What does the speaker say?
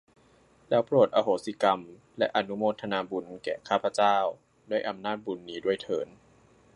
แล้วโปรดอโหสิกรรม และอนุโมทนาบุญแก่ข้าพเจ้า ด้วยอำนาจบุญนี้ด้วยเทอญ